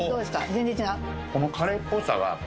全然違う？